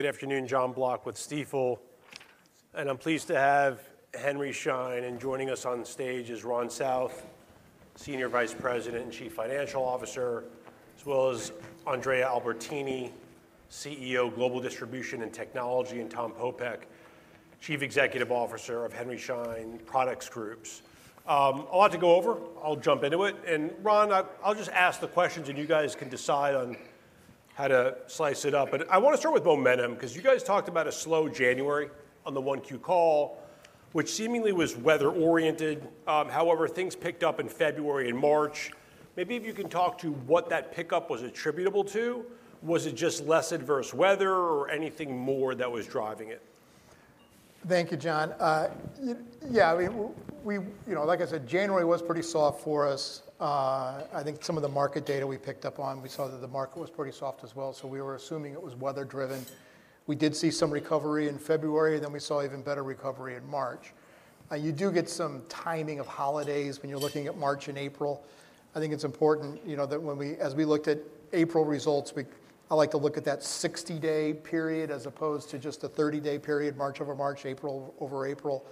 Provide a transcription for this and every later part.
Good afternoon, John Block with Stifel. I'm pleased to have Henry Schein. Joining us on stage is Ron South, Senior Vice President and Chief Financial Officer, as well as Andrea Albertini, CEO, Global Distribution and Technology, and Tom Popeck, Chief Executive Officer of Henry Schein Product Group. A lot to go over. I'll jump into it. Ron, I'll just ask the questions, and you guys can decide on how to slice it up. I want to start with momentum, because you guys talked about a slow January on the one Q call, which seemingly was weather-oriented. However, things picked up in February and March. Maybe if you can talk to what that pickup was attributable to. Was it just less adverse weather or anything more that was driving it? Thank you, John. Yeah, like I said, January was pretty soft for us. I think some of the market data we picked up on, we saw that the market was pretty soft as well. We were assuming it was weather-driven. We did see some recovery in February, and then we saw even better recovery in March. You do get some timing of holidays when you're looking at March and April. I think it's important that when we, as we looked at April results, I like to look at that 60-day period as opposed to just a 30-day period, March over March, April over April,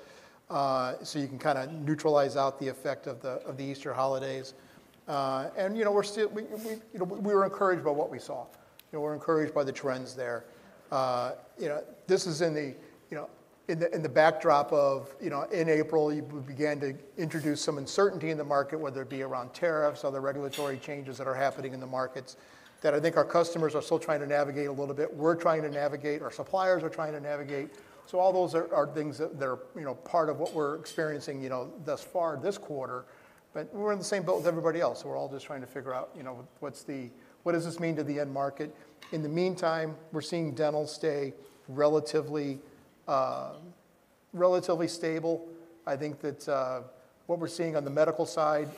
so you can kind of neutralize out the effect of the Easter holidays. We were encouraged by what we saw. We were encouraged by the trends there. This is in the backdrop of, in April, we began to introduce some uncertainty in the market, whether it be around tariffs, other regulatory changes that are happening in the markets, that I think our customers are still trying to navigate a little bit. We're trying to navigate. Our suppliers are trying to navigate. All those are things that are part of what we're experiencing thus far this quarter. We're in the same boat as everybody else. We're all just trying to figure out what does this mean to the end market. In the meantime, we're seeing dental stay relatively stable. I think that what we're seeing on the medical side,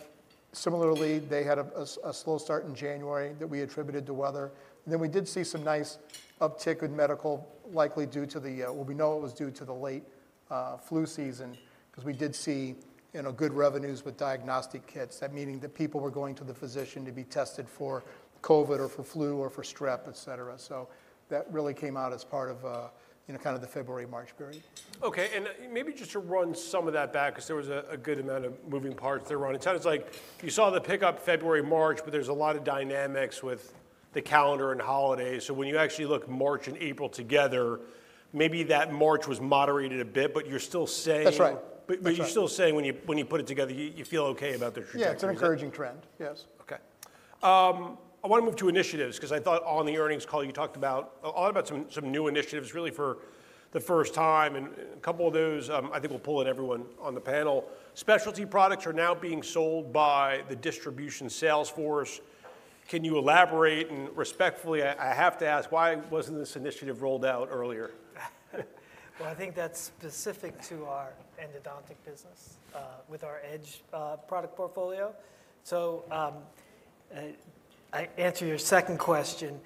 similarly, they had a slow start in January that we attributed to weather. We did see some nice uptick in medical, likely due to the, well, we know it was due to the late flu season, because we did see good revenues with diagnostic kits. That meaning that people were going to the physician to be tested for COVID or for flu or for strep, et cetera. That really came out as part of kind of the February-March period. Okay. Maybe just to run some of that back, because there was a good amount of moving parts there, Ron. It sounds like you saw the pickup February, March, but there's a lot of dynamics with the calendar and holidays. When you actually look March and April together, maybe that March was moderated a bit, but you're still saying. That's right. You're still saying when you put it together, you feel okay about the trajectory. Yeah, it's an encouraging trend. Yes. Okay. I want to move to initiatives, because I thought on the earnings call, you talked a lot about some new initiatives, really, for the first time. A couple of those, I think, will pull in everyone on the panel. Specialty products are now being sold by the distribution sales force. Can you elaborate? Respectfully, I have to ask, why was not this initiative rolled out earlier? I think that's specific to our endodontic business with our Edge product portfolio. To answer your second question,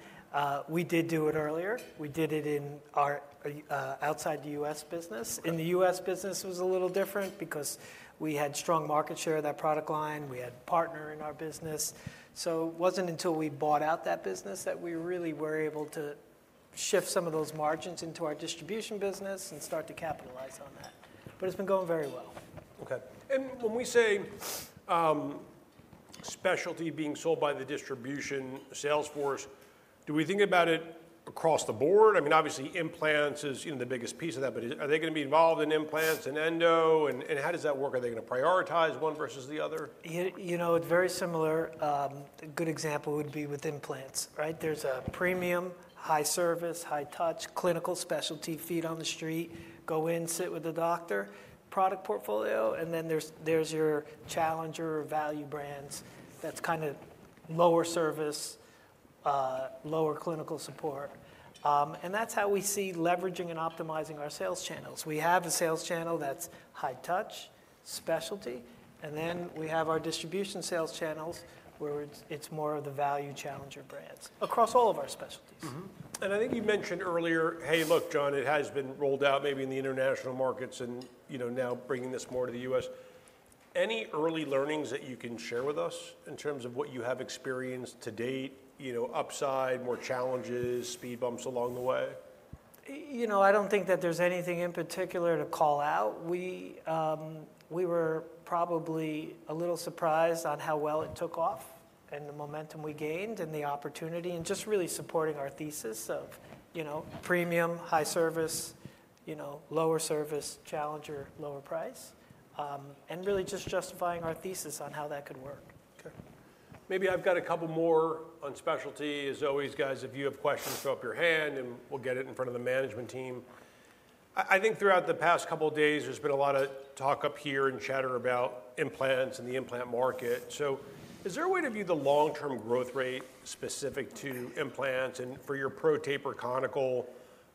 we did do it earlier. We did it outside the U.S. business. In the U.S. business, it was a little different, because we had strong market share of that product line. We had a partner in our business. It was not until we bought out that business that we really were able to shift some of those margins into our distribution business and start to capitalize on that. It's been going very well. Okay. When we say specialty being sold by the distribution sales force, do we think about it across the board? I mean, obviously, implants is the biggest piece of that, but are they going to be involved in implants and endo? How does that work? Are they going to prioritize one versus the other? You know, it's very similar. A good example would be with implants, right? There's a premium, high service, high touch, clinical specialty feet on the street, go in, sit with the doctor, product portfolio. Then there's your challenger or value brands that's kind of lower service, lower clinical support. That's how we see leveraging and optimizing our sales channels. We have a sales channel that's high touch, specialty. Then we have our distribution sales channels where it's more of the value challenger brands across all of our specialties. I think you mentioned earlier, hey, look, John, it has been rolled out maybe in the international markets and now bringing this more to the U.S. Any early learnings that you can share with us in terms of what you have experienced to date, upside, more challenges, speed bumps along the way? You know, I do not think that there is anything in particular to call out. We were probably a little surprised on how well it took off and the momentum we gained and the opportunity and just really supporting our thesis of premium, high service, lower service, challenger, lower price, and really just justifying our thesis on how that could work. Okay. Maybe I've got a couple more on specialty. As always, guys, if you have questions, throw up your hand and we'll get it in front of the management team. I think throughout the past couple of days, there's been a lot of talk up here and chatter about implants and the implant market. Is there a way to view the long-term growth rate specific to implants and for your Pro Taper Conical?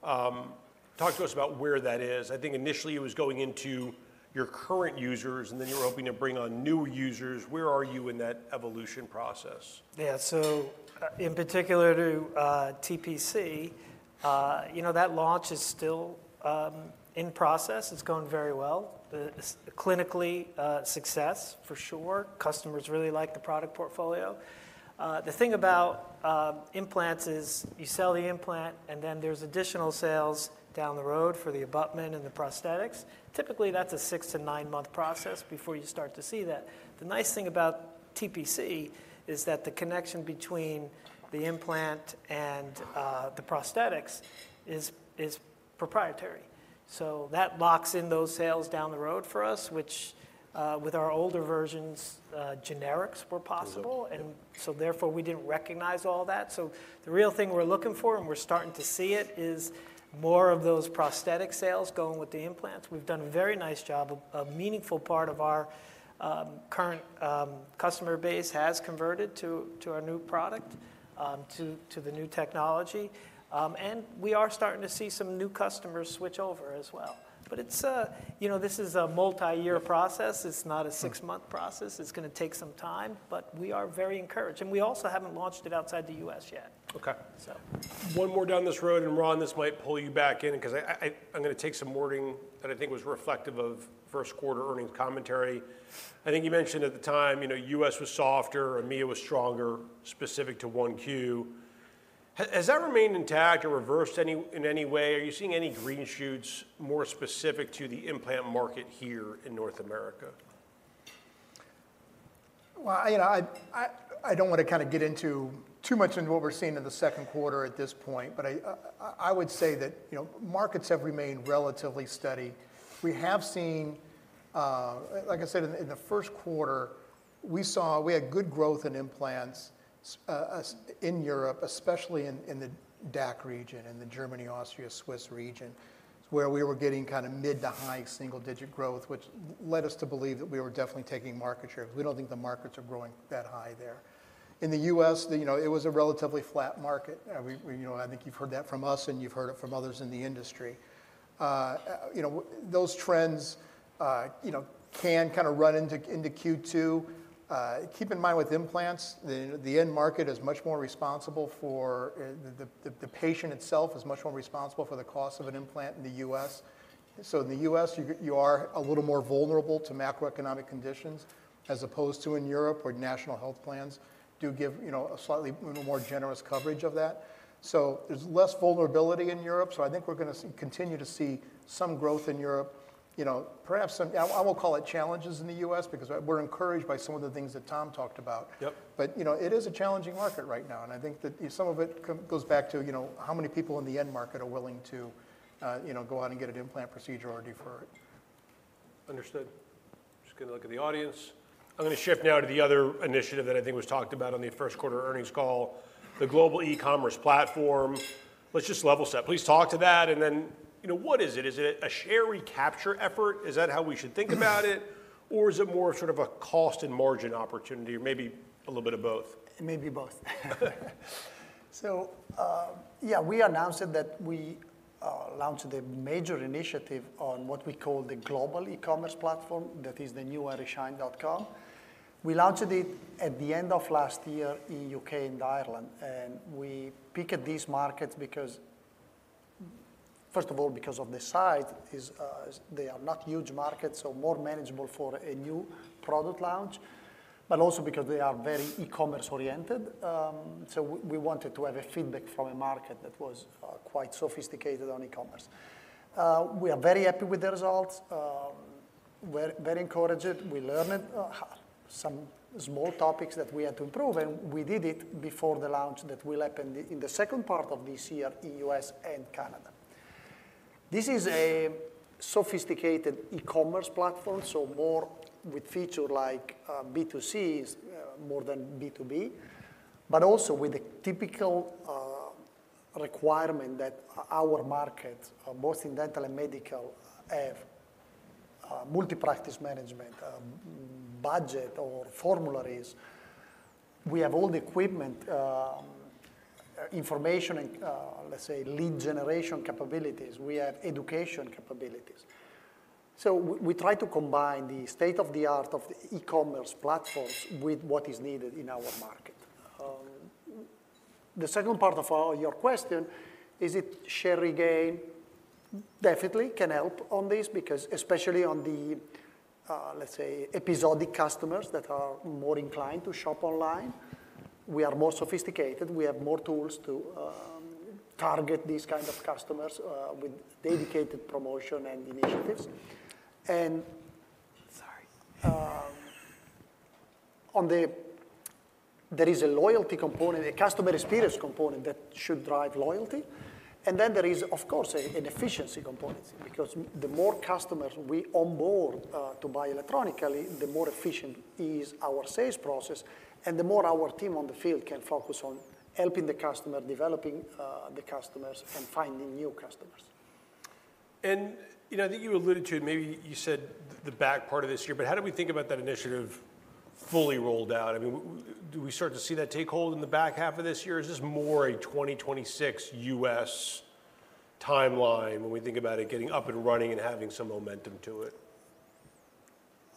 Talk to us about where that is. I think initially it was going into your current users, and then you were hoping to bring on new users. Where are you in that evolution process? Yeah. In particular to TPC, that launch is still in process. It's going very well. Clinically, success for sure. Customers really like the product portfolio. The thing about implants is you sell the implant, and then there's additional sales down the road for the abutment and the prosthetics. Typically, that's a six to nine-month process before you start to see that. The nice thing about TPC is that the connection between the implant and the prosthetics is proprietary. That locks in those sales down the road for us, which with our older versions, generics were possible. Therefore, we didn't recognize all that. The real thing we're looking for, and we're starting to see it, is more of those prosthetic sales going with the implants. We've done a very nice job. A meaningful part of our current customer base has converted to our new product, to the new technology. We are starting to see some new customers switch over as well. This is a multi-year process. It's not a six-month process. It's going to take some time, but we are very encouraged. We also haven't launched it outside the U.S. yet. Okay. One more down this road, and Ron, this might pull you back in, because I'm going to take some wording that I think was reflective of first quarter earnings commentary. I think you mentioned at the time U.S. was softer, EMEA was stronger, specific to one Q. Has that remained intact or reversed in any way? Are you seeing any green shoots more specific to the implant market here in North America? I do not want to kind of get into too much in what we are seeing in the second quarter at this point, but I would say that markets have remained relatively steady. We have seen, like I said, in the first quarter, we had good growth in implants in Europe, especially in the DACH region, in the Germany, Austria, Switzerland region, where we were getting kind of mid to high single-digit growth, which led us to believe that we were definitely taking market share. We do not think the markets are growing that high there. In the U.S., it was a relatively flat market. I think you have heard that from us, and you have heard it from others in the industry. Those trends can kind of run into Q2. Keep in mind with implants, the end market is much more responsible for the patient itself, is much more responsible for the cost of an implant in the U.S. In the U.S., you are a little more vulnerable to macroeconomic conditions as opposed to in Europe, where national health plans do give a slightly more generous coverage of that. There is less vulnerability in Europe. I think we're going to continue to see some growth in Europe. Perhaps some, I won't call it challenges in the U.S., because we're encouraged by some of the things that Tom talked about. It is a challenging market right now. I think that some of it goes back to how many people in the end market are willing to go out and get an implant procedure or defer it. Understood. Just going to look at the audience. I'm going to shift now to the other initiative that I think was talked about on the first quarter earnings call, the global e-commerce platform. Let's just level set. Please talk to that. And then what is it? Is it a share recapture effort? Is that how we should think about it? Or is it more of sort of a cost and margin opportunity? Or maybe a little bit of both? Maybe both. Yeah, we announced that we launched a major initiative on what we call the global e-commerce platform that is the new Henry Schein.com. We launched it at the end of last year in the U.K. and Ireland. We picked these markets because, first of all, because of the size. They are not huge markets, so more manageable for a new product launch, but also because they are very e-commerce oriented. We wanted to have feedback from a market that was quite sophisticated on e-commerce. We are very happy with the results. We're very encouraged. We learned some small topics that we had to improve. We did it before the launch that will happen in the second part of this year in the US and Canada. This is a sophisticated e-commerce platform, so more with feature like B2C more than B2B, but also with the typical requirement that our market, both in dental and medical, have multi-practice management, budget, or formularies. We have all the equipment, information, and let's say lead generation capabilities. We have education capabilities. We try to combine the state of the art of the e-commerce platforms with what is needed in our market. The second part of your question, is it share regain? Definitely can help on this, because especially on the, let's say, episodic customers that are more inclined to shop online, we are more sophisticated. We have more tools to target these kinds of customers with dedicated promotion and initiatives. Sorry. There is a loyalty component, a customer experience component that should drive loyalty. There is, of course, an efficiency component, because the more customers we onboard to buy electronically, the more efficient is our sales process, and the more our team on the field can focus on helping the customer, developing the customers, and finding new customers. I think you alluded to it. Maybe you said the back part of this year, but how do we think about that initiative fully rolled out? I mean, do we start to see that take hold in the back half of this year? Is this more a 2026 U.S. timeline when we think about it getting up and running and having some momentum to it?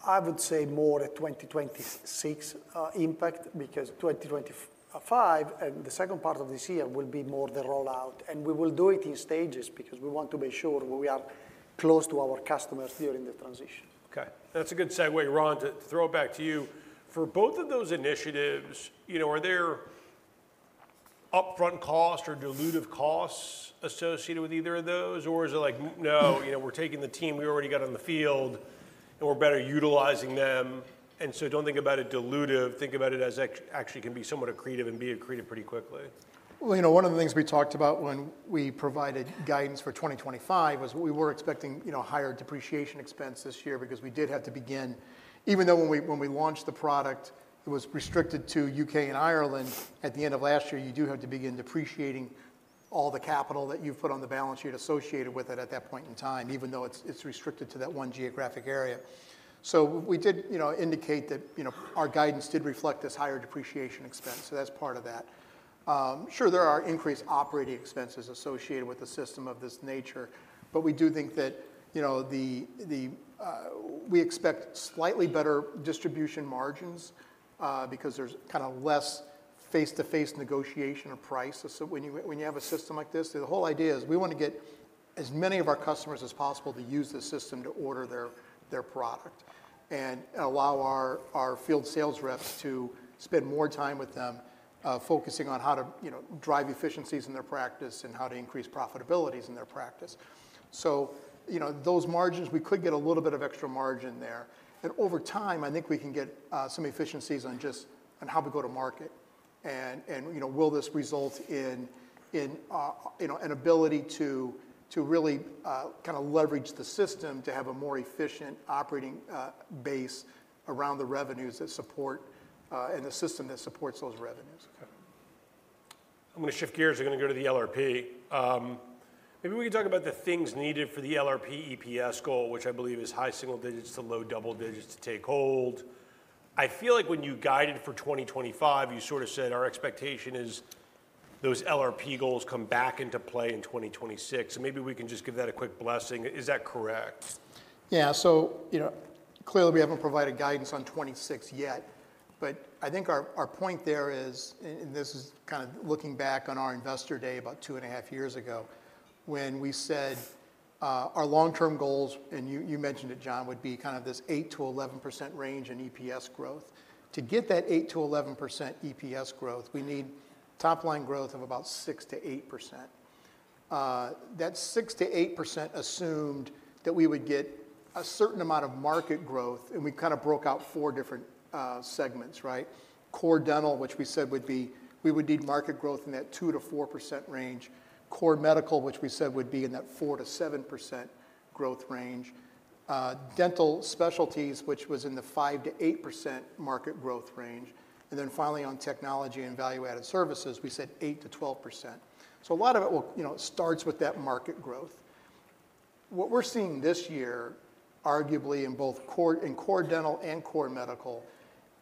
I would say more a 2026 impact, because 2025 and the second part of this year will be more the rollout. We will do it in stages, because we want to make sure we are close to our customers during the transition. Okay. That's a good segue, Ron, to throw it back to you. For both of those initiatives, are there upfront costs or dilutive costs associated with either of those? Or is it like, no, we're taking the team we already got on the field, and we're better utilizing them? Do not think about it dilutive. Think about it as actually can be somewhat accretive and be accretive pretty quickly. One of the things we talked about when we provided guidance for 2025 was we were expecting higher depreciation expense this year, because we did have to begin, even though when we launched the product, it was restricted to the U.K. and Ireland. At the end of last year, you do have to begin depreciating all the capital that you've put on the balance sheet associated with it at that point in time, even though it's restricted to that one geographic area. We did indicate that our guidance did reflect this higher depreciation expense. That's part of that. Sure, there are increased operating expenses associated with a system of this nature, but we do think that we expect slightly better distribution margins, because there's kind of less face-to-face negotiation or price. When you have a system like this, the whole idea is we want to get as many of our customers as possible to use the system to order their product and allow our field sales reps to spend more time with them focusing on how to drive efficiencies in their practice and how to increase profitabilities in their practice. Those margins, we could get a little bit of extra margin there. Over time, I think we can get some efficiencies on just how we go to market. Will this result in an ability to really kind of leverage the system to have a more efficient operating base around the revenues that support and the system that supports those revenues? Okay. I'm going to shift gears. I'm going to go to the LRP. Maybe we can talk about the things needed for the LRP EPS goal, which I believe is high single digits to low double digits to take hold. I feel like when you guided for 2025, you sort of said our expectation is those LRP goals come back into play in 2026. Maybe we can just give that a quick blessing. Is that correct? Yeah. So clearly, we haven't provided guidance on 2026 yet. I think our point there is, and this is kind of looking back on our investor day about two and a half years ago, when we said our long-term goals, and you mentioned it, John, would be kind of this 8%-11% range in EPS growth. To get that 8%-11% EPS growth, we need top-line growth of about 6%-8%. That 6%-8% assumed that we would get a certain amount of market growth. We kind of broke out four different segments, right? Core dental, which we said would be we would need market growth in that 2%-4% range. Core medical, which we said would be in that 4%-7% growth range. Dental specialties, which was in the 5%-8% market growth range. Finally, on technology and value-added services, we said 8%-12%. A lot of it starts with that market growth. What we are seeing this year, arguably in both core dental and core medical,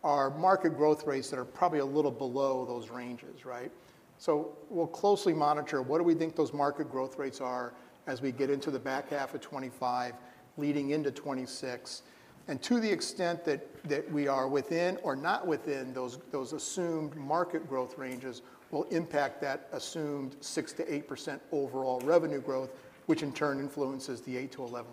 are market growth rates that are probably a little below those ranges, right? We will closely monitor what we think those market growth rates are as we get into the back half of 2025, leading into 2026. To the extent that we are within or not within those assumed market growth ranges, it will impact that assumed 6%-8% overall revenue growth, which in turn influences the 8%-11%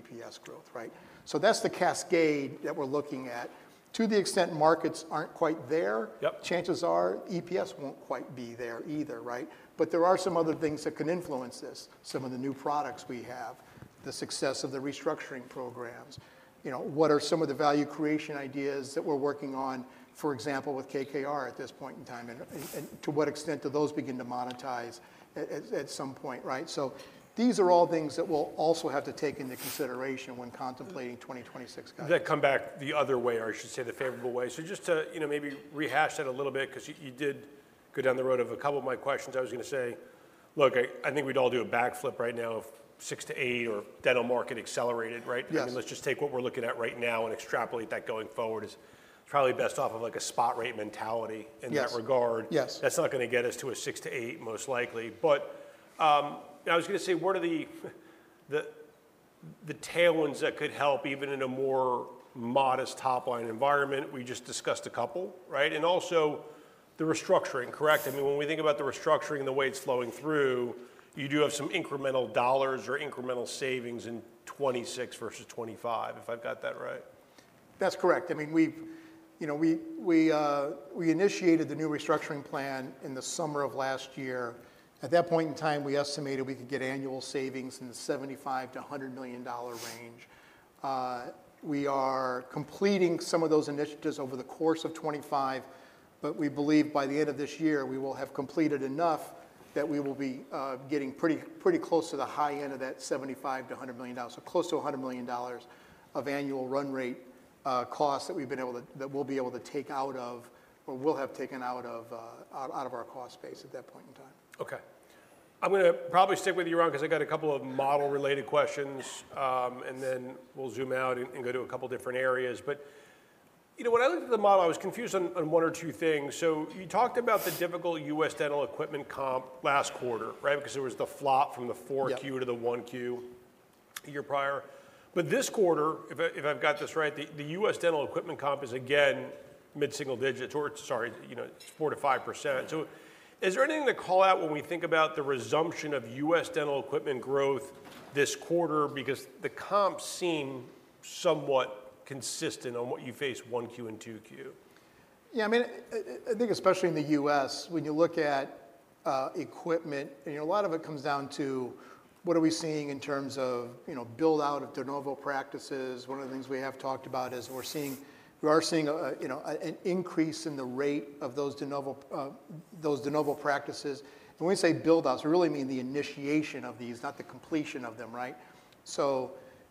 EPS growth, right? That is the cascade that we are looking at. To the extent markets are not quite there, chances are EPS will not quite be there either, right? There are some other things that can influence this. Some of the new products we have, the success of the restructuring programs, what are some of the value creation ideas that we're working on, for example, with KKR at this point in time, and to what extent do those begin to monetize at some point, right? These are all things that we'll also have to take into consideration when contemplating 2026 guidance. That come back the other way, or I should say the favorable way. Just to maybe rehash that a little bit, because you did go down the road of a couple of my questions. I was going to say, look, I think we'd all do a backflip right now if 6%-8% or dental market accelerated, right? I mean, let's just take what we're looking at right now and extrapolate that going forward is probably best off of like a spot rate mentality in that regard. That's not going to get us to a 6%-8% most likely. I was going to say, what are the tailwinds that could help even in a more modest top-line environment? We just discussed a couple, right? Also the restructuring, correct? I mean, when we think about the restructuring and the way it's flowing through, you do have some incremental dollars or incremental savings in 2026 versus 2025, if I've got that right. That's correct. I mean, we initiated the new restructuring plan in the summer of last year. At that point in time, we estimated we could get annual savings in the $75 million-$100 million range. We are completing some of those initiatives over the course of 2025, but we believe by the end of this year, we will have completed enough that we will be getting pretty close to the high end of that $75 million-$100 million, so close to $100 million of annual run rate costs that we've been able to, that we'll be able to take out of, or we'll have taken out of our cost base at that point in time. Okay. I'm going to probably stick with you, Ron, because I've got a couple of model-related questions, and then we'll zoom out and go to a couple of different areas. When I looked at the model, I was confused on one or two things. You talked about the difficult US dental equipment comp last quarter, right? Because there was the flop from the 4Q to the 1Q a year prior. This quarter, if I've got this right, the U.S. dental equipment comp is again mid-single digits, or sorry, 4%-5%. Is there anything to call out when we think about the resumption of U.S. dental equipment growth this quarter? The comps seem somewhat consistent on what you face 1Q and 2Q. Yeah. I mean, I think especially in the U.S., when you look at equipment, a lot of it comes down to what are we seeing in terms of build-out of de novo practices. One of the things we have talked about is we're seeing an increase in the rate of those de novo practices. And when we say build-outs, we really mean the initiation of these, not the completion of them, right?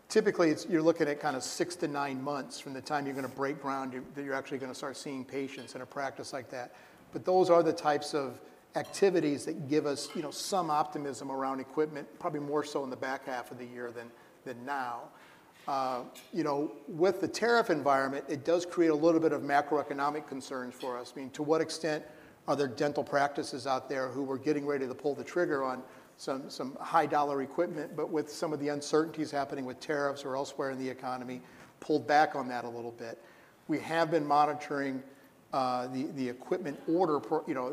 Typically, you're looking at kind of six to nine months from the time you're going to break ground that you're actually going to start seeing patients in a practice like that. Those are the types of activities that give us some optimism around equipment, probably more so in the back half of the year than now. With the tariff environment, it does create a little bit of macroeconomic concerns for us. I mean, to what extent are there dental practices out there who were getting ready to pull the trigger on some high-dollar equipment, but with some of the uncertainties happening with tariffs or elsewhere in the economy, pulled back on that a little bit. We have been monitoring the equipment order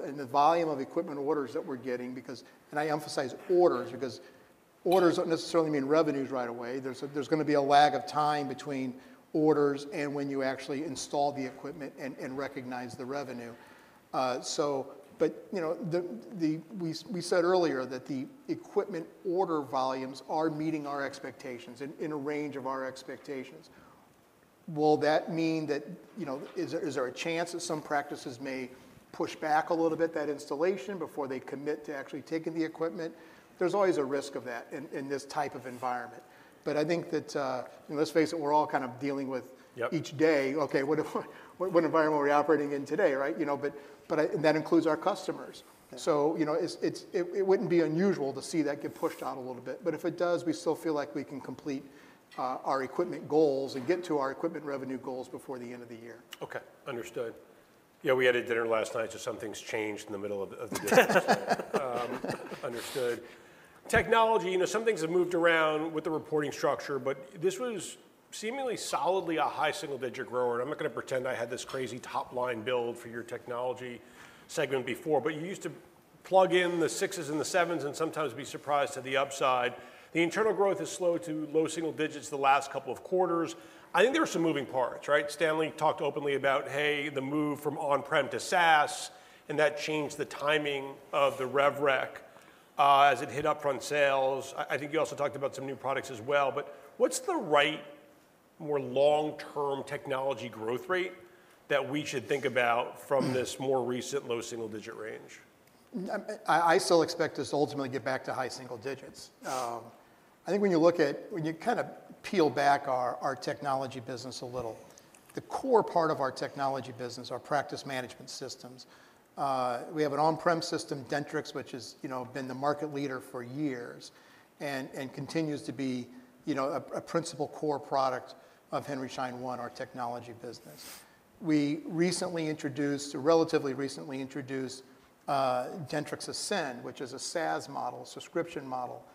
and the volume of equipment orders that we're getting, because, and I emphasize orders, because orders do not necessarily mean revenues right away. There is going to be a lag of time between orders and when you actually install the equipment and recognize the revenue. We said earlier that the equipment order volumes are meeting our expectations and in a range of our expectations. Will that mean that is there a chance that some practices may push back a little bit that installation before they commit to actually taking the equipment? is always a risk of that in this type of environment. I think that, let's face it, we are all kind of dealing with each day, okay, what environment are we operating in today, right? That includes our customers. It would not be unusual to see that get pushed out a little bit. If it does, we still feel like we can complete our equipment goals and get to our equipment revenue goals before the end of the year. Okay. Understood. Yeah, we had a dinner last night, so some things changed in the middle of the day. Understood. Technology, some things have moved around with the reporting structure, but this was seemingly solidly a high single-digit grower. I'm not going to pretend I had this crazy top-line build for your technology segment before, but you used to plug in the sixes and the sevens and sometimes be surprised to the upside. The internal growth is slow to low single digits the last couple of quarters. I think there were some moving parts, right? Stanley talked openly about, hey, the move from on-prem to SaaS, and that changed the timing of the RevRec as it hit upfront sales. I think you also talked about some new products as well. What's the right more long-term technology growth rate that we should think about from this more recent low single-digit range? I still expect us to ultimately get back to high single digits. I think when you look at when you kind of peel back our technology business a little, the core part of our technology business are practice management systems. We have an on-prem system, Dentrix, which has been the market leader for years and continues to be a principal core product of Henry Schein One, our technology business. We recently introduced, relatively recently introduced Dentrix Ascend, which is a SaaS model, a subscription model.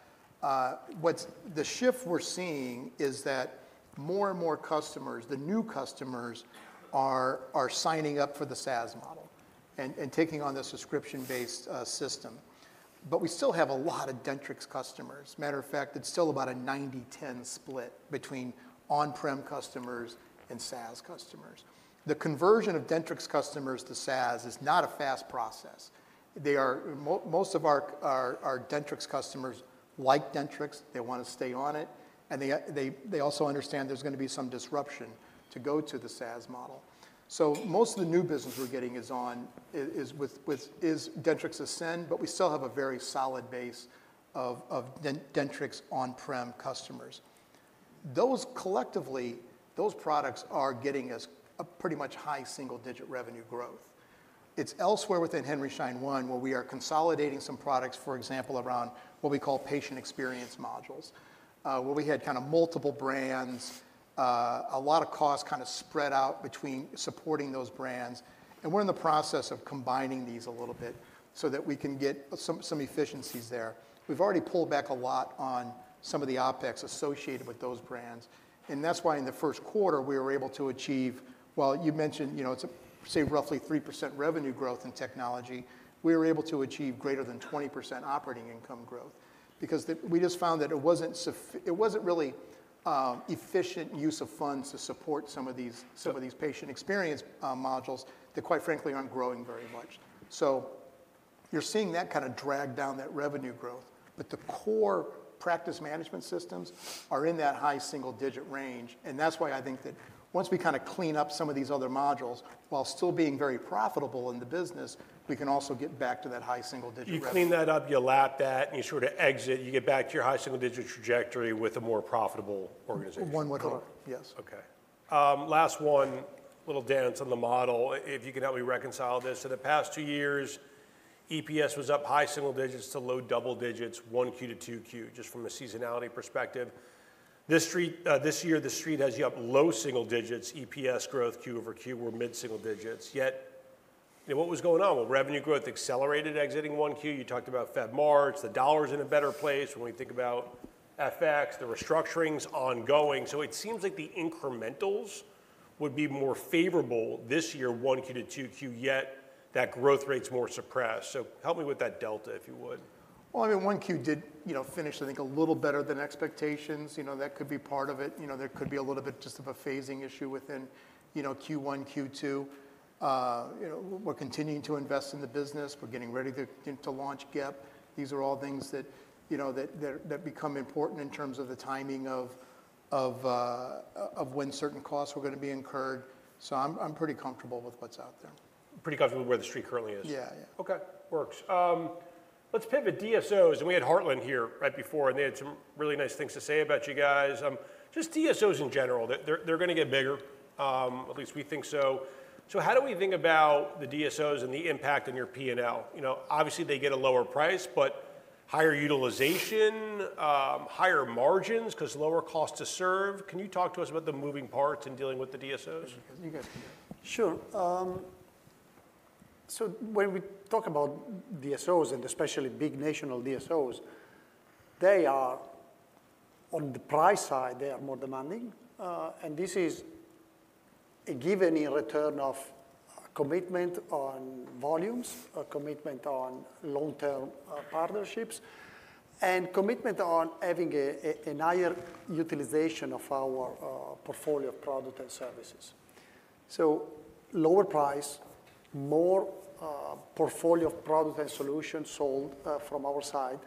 The shift we're seeing is that more and more customers, the new customers, are signing up for the SaaS model and taking on the subscription-based system. But we still have a lot of Dentrix customers. Matter of fact, it's still about a 90/10 split between on-prem customers and SaaS customers. The conversion of Dentrix customers to SaaS is not a fast process. Most of our Dentrix customers like Dentrix. They want to stay on it. They also understand there's going to be some disruption to go to the SaaS model. Most of the new business we're getting is with Dentrix Ascend, but we still have a very solid base of Dentrix on-prem customers. Those collectively, those products are getting us pretty much high single-digit revenue growth. It is elsewhere within Henry Schein One where we are consolidating some products, for example, around what we call patient experience modules, where we had kind of multiple brands, a lot of costs kind of spread out between supporting those brands. We are in the process of combining these a little bit so that we can get some efficiencies there. We have already pulled back a lot on some of the OpEx associated with those brands. That is why in the first quarter, we were able to achieve, well, you mentioned it's a, say, roughly 3% revenue growth in technology. We were able to achieve greater than 20% operating income growth because we just found that it was not really efficient use of funds to support some of these patient experience modules that, quite frankly, are not growing very much. You are seeing that kind of drag down that revenue growth. The core practice management systems are in that high single-digit range. That is why I think that once we kind of clean up some of these other modules, while still being very profitable in the business, we can also get back to that high single-digit revenue. You clean that up, you lap that, and you sort of exit, you get back to your high single-digit trajectory with a more profitable organization. One way to look, yes. Okay. Last one, little dance on the model. If you can help me reconcile this. So the past two years, EPS was up high single digits to low double digits, 1Q to 2Q, just from a seasonality perspective. This year, the street has you up low single digits. EPS growth Q over Q were mid-single digits. Yet what was going on? Revenue growth accelerated exiting 1Q. You talked about Fed March. The dollar's in a better place. When we think about FX, the restructuring's ongoing. It seems like the incrementals would be more favorable this year, 1Q to 2Q, yet that growth rate's more suppressed. Help me with that delta, if you would. I mean, 1Q did finish, I think, a little better than expectations. That could be part of it. There could be a little bit just of a phasing issue within Q1, Q2. We're continuing to invest in the business. We're getting ready to launch GEP. These are all things that become important in terms of the timing of when certain costs are going to be incurred. So I'm pretty comfortable with what's out there. Pretty comfortable with where the street currently is. Yeah, yeah. Okay. Works. Let's pivot DSOs. We had Heartland here right before, and they had some really nice things to say about you guys. Just DSOs in general, they're going to get bigger, at least we think so. How do we think about the DSOs and the impact on your P&L? Obviously, they get a lower price, but higher utilization, higher margins because lower cost to serve. Can you talk to us about the moving parts in dealing with the DSOs? Sure. When we talk about DSOs and especially big national DSOs, they are on the price side, they are more demanding. This is a given in return of commitment on volumes, commitment on long-term partnerships, and commitment on having a higher utilization of our portfolio of products and services. Lower price, more portfolio of products and solutions sold from our side.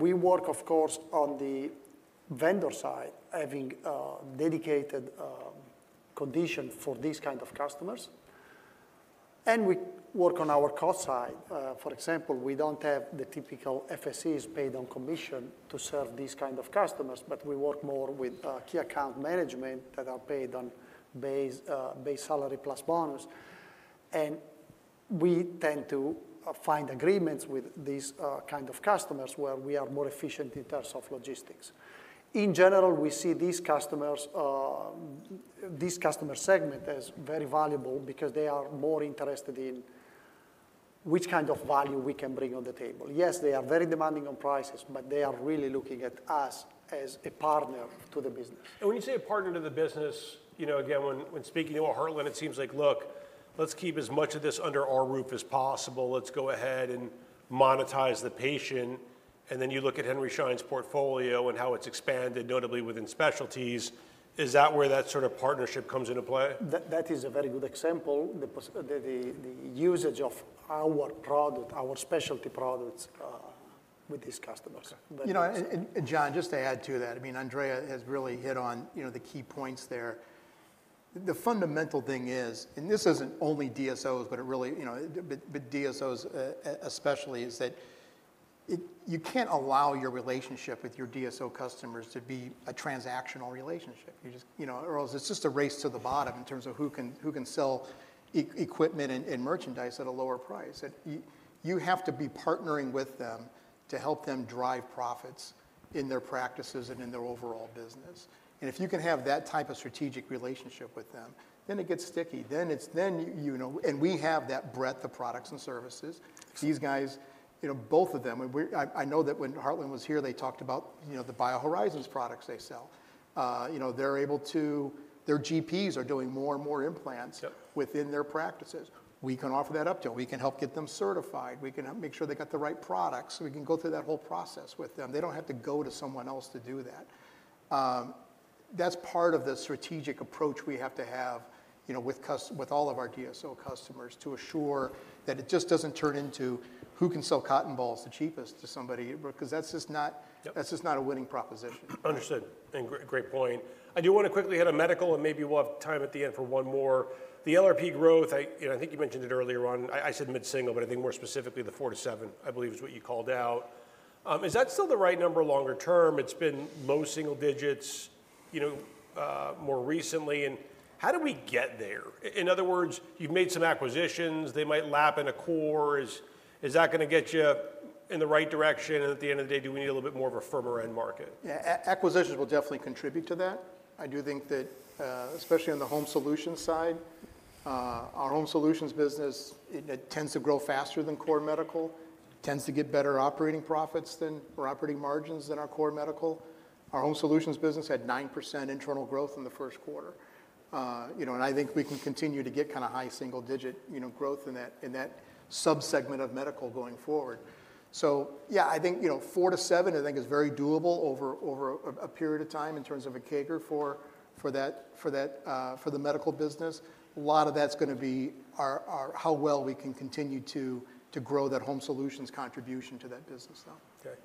We work, of course, on the vendor side, having dedicated conditions for these kinds of customers. We work on our cost side. For example, we do not have the typical FSCs paid on commission to serve these kinds of customers, but we work more with key account management that are paid on base salary plus bonus. We tend to find agreements with these kinds of customers where we are more efficient in terms of logistics. In general, we see these customers, this customer segment, as very valuable because they are more interested in which kind of value we can bring on the table. Yes, they are very demanding on prices, but they are really looking at us as a partner to the business. When you say a partner to the business, again, when speaking to a Heartland, it seems like, look, let's keep as much of this under our roof as possible. Let's go ahead and monetize the patient. Then you look at Henry Schein's portfolio and how it's expanded, notably within specialties. Is that where that sort of partnership comes into play? That is a very good example, the usage of our product, our specialty products with these customers. John, just to add to that, I mean, Andrea has really hit on the key points there. The fundamental thing is, and this is not only DSOs, but really DSOs especially, you cannot allow your relationship with your DSO customers to be a transactional relationship. Or else it is just a race to the bottom in terms of who can sell equipment and merchandise at a lower price. You have to be partnering with them to help them drive profits in their practices and in their overall business. If you can have that type of strategic relationship with them, then it gets sticky. We have that breadth of products and services. These guys, both of them, I know that when Heartland was here, they talked about the BioHorizons products they sell. They are able to, their GPs are doing more and more implants within their practices. We can offer that up to them. We can help get them certified. We can make sure they got the right products. We can go through that whole process with them. They do not have to go to someone else to do that. That is part of the strategic approach we have to have with all of our DSO customers to assure that it just does not turn into who can sell cotton balls the cheapest to somebody because that is just not a winning proposition. Understood. Great point. I do want to quickly hit medical, and maybe we'll have time at the end for one more. The LRP growth, I think you mentioned it earlier on. I said mid-single, but I think more specifically the 4-7%, I believe, is what you called out. Is that still the right number longer term? It's been low single digits more recently. How did we get there? In other words, you've made some acquisitions. They might lap in a core. Is that going to get you in the right direction? At the end of the day, do we need a little bit more of a firmer end market? Yeah. Acquisitions will definitely contribute to that. I do think that, especially on the home solutions side, our home solutions business tends to grow faster than core medical, tends to get better operating profits than or operating margins than our core medical. Our home solutions business had 9% internal growth in the first quarter. I think we can continue to get kind of high single-digit growth in that subsegment of medical going forward. Yeah, I think 4-7, I think, is very doable over a period of time in terms of a CAGR for the medical business. A lot of that's going to be how well we can continue to grow that home solutions contribution to that business, though. Okay.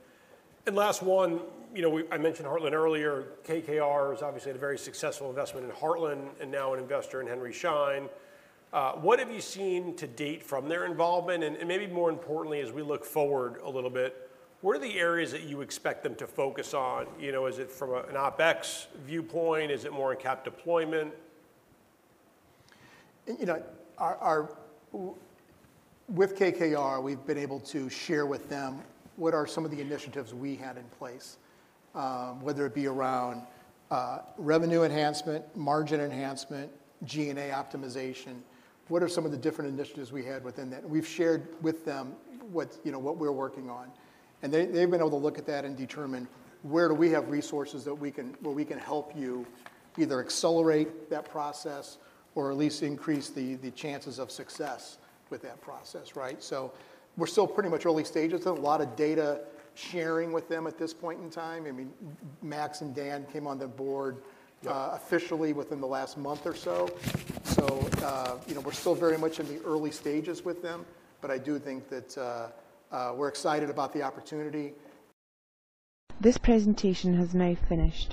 Last one, I mentioned Heartland earlier. KKR has obviously had a very successful investment in Heartland and now an investor in Henry Schein. What have you seen to date from their involvement? Maybe more importantly, as we look forward a little bit, what are the areas that you expect them to focus on? Is it from an OpEx viewpoint? Is it more in CapEx deployment? With KKR, we've been able to share with them what are some of the initiatives we had in place, whether it be around revenue enhancement, margin enhancement, G&A optimization. What are some of the different initiatives we had within that? We've shared with them what we're working on. They've been able to look at that and determine, where do we have resources where we can help you either accelerate that process or at least increase the chances of success with that process, right? We're still pretty much early stages. There's a lot of data sharing with them at this point in time. I mean, Max and Dan came on the board officially within the last month or so. We're still very much in the early stages with them. I do think that we're excited about the opportunity. This presentation has now finished.